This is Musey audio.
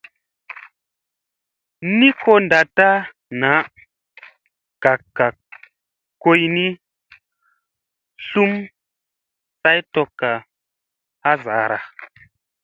Ni ko ndatta naa, gak gak koyni slum saytokka ha sara.